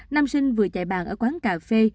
nam sinh vừa chạy bàn ở quán cà phê